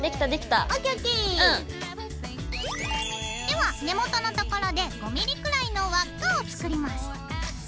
では根元の所で５ｍｍくらいの輪っかを作ります。